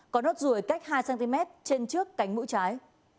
có nốt ruồi cách hai cm trên trước cánh mũi trái